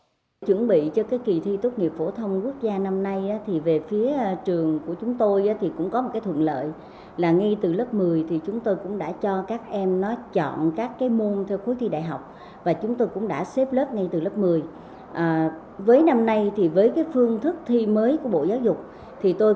đồng thời để chuẩn bị cho kỳ thi tốt nghiệp trung học phổ thông năm nay cho các trường trung học phổ thông và tổ chức tập huấn cho cán bộ coi thi và hướng dẫn cho học sinh ôn tập nắm vững kiến thức để làm bài thi tốt